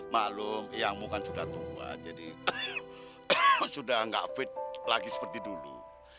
maklum yangmu kan sudah tua jadi sudah nggak fit lagi seperti dulu